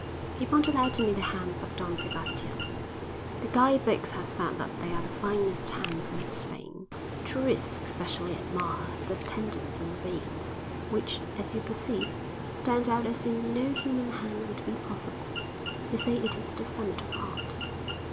He pointed out to me the hands of Don Sebastian. 'The guide books have said that they are the finest hands in Spain. Tourists especially admire the tendons and veins, which, as you perceive, stand out as in no human hand would be possible. They say it is the summit of art.'